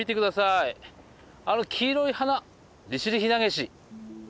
あの黄色い花リシリヒナゲシ。